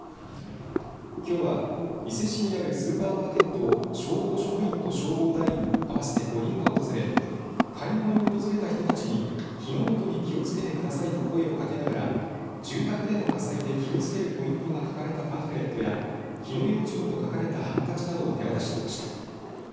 きょうは、伊勢市にあるスーパーマーケットを消防職員と消防団員合わせて５人が訪れ買い物に訪れた人たちに火の元に気をつけてくださいと声をかけながら住宅での火災で気をつけるポイントが書かれたパンフレットや火の用心と書かれたハンカチなどを手渡していました。